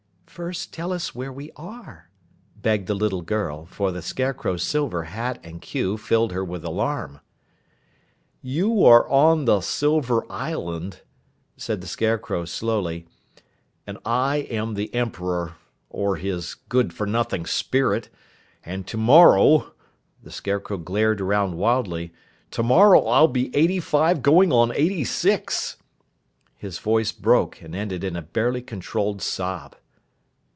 "First tell us where we are," begged the little girl, for the Scarecrow's silver hat and queue filled her with alarm. "You are on the Silver Island," said the Scarecrow slowly. "And I am the Emperor or his good for nothing spirit and tomorrow," the Scarecrow glared around wildly, "tomorrow I'll be eighty five going on eighty six." His voice broke and ended in a barely controlled sob.